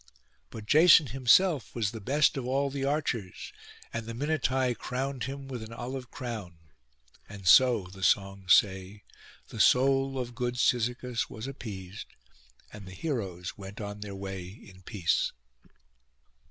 But Jason himself was the best of all the archers, and the Minuai crowned him with an olive crown; and so, the songs say, the soul of good Cyzicus was appeased and the heroes went on their way in peace.